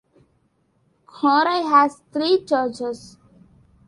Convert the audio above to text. Gorai has three churches.